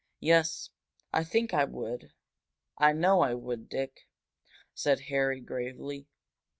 "Yes, I think I would I know I would, Dick," said Harry, gravely.